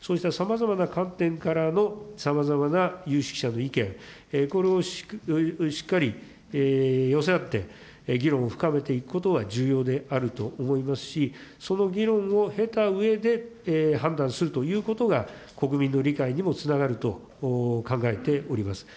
そうしたさまざまな観点からの、さまざまな有識者の意見、これをしっかり寄せ合って、議論を深めていくことが重要であると思いますし、その議論を経たうえで判断するということが、国民の理解にもつながると考えております。